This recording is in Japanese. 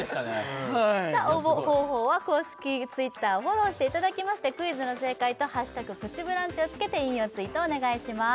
応募方法は公式Ｔｗｉｔｔｅｒをフォローしていただきましてクイズの正解と「＃プチブランチ」をつけて引用ツイートお願いします